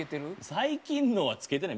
最近のはつけてない。